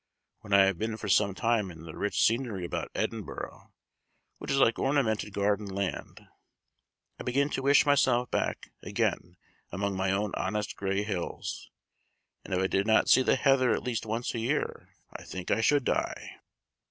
When I have been for some time in the rich scenery about Edinburgh, which is like ornamented garden land, I begin to wish myself back again among my own honest gray hills; and if I did not see the heather at least once a year, _I think I should die!